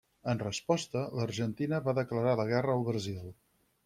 En resposta, l'Argentina va declarar la guerra al Brasil.